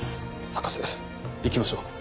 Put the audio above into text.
博士行きましょう。